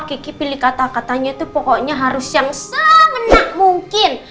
kiki pilih kata katanya itu pokoknya harus yang semenak mungkin